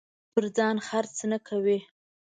پر ځان خرڅ نه کوي.